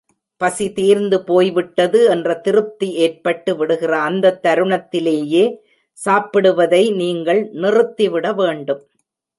பசி தீர்ந்து போய்விட்டது என்ற திருப்தி ஏற்பட்டு விடுகிற அந்தத் தருணத்திலேயே, சாப்பிடுவதை நீங்கள் நிறுத்திவிடவேண்டும்.